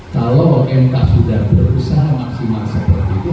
kalau mk sudah berusaha memaksimal seperti itu